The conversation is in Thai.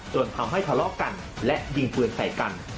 จนทำให้ทะเลาะกันและยิงปืนใส่กัน